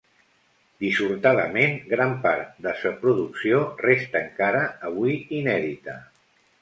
Dissortadament, gran part de sa producció resta encara avui inèdita.